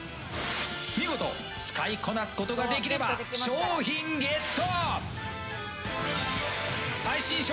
見事使いこなすことができれば商品ゲット！